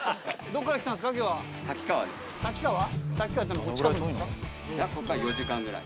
こっから４時間ぐらい。